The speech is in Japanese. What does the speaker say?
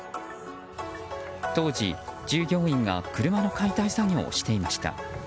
当時、従業員が車の解体作業をしていました。